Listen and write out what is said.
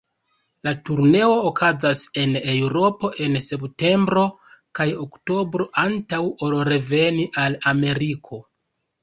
La turneo okazas en Eŭropo en septembro kaj oktobro, antaŭ ol reveni al Ameriko.